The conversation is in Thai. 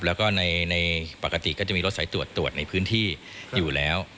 แล้วก็ในปกติก็จะมีรถสายตรวจตรวจในพื้นที่อยู่แล้ว